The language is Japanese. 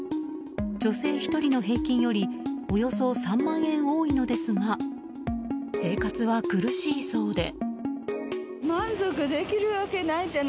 女性１人の平均よりおよそ３万円多いのですが生活は苦しいそうで。